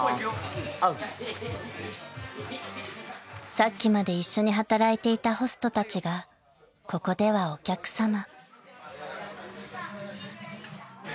［さっきまで一緒に働いていたホストたちがここではお客さま］